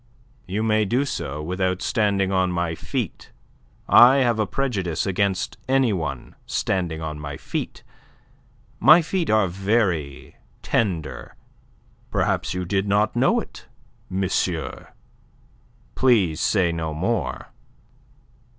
"You may do so without standing on my feet. I have a prejudice against any one standing on my feet. My feet are very tender. Perhaps you did not know it, monsieur. Please say no more."